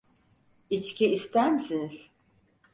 İçki ister misiniz?